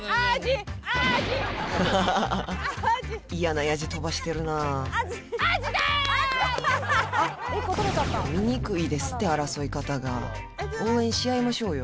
ハハハ嫌なヤジ飛ばしてるなあ醜いですって争い方が応援し合いましょうよ